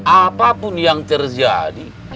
apapun yang terjadi